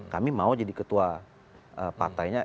kami mau jadi ketua partainya